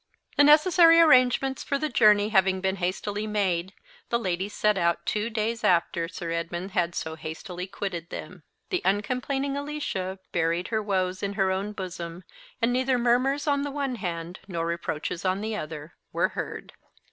The necessary arrangements for the journey having been hastily made, the ladies set out two days after Sir Edmund had so hastily quitted them. The uncomplaining Alicia buried her woes in her own bosom; and neither murmurs on the one hand, nor reproaches on the other, were heard.